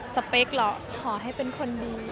สเปคเหรอขอให้เป็นคนดี